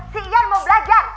si ian mau belajar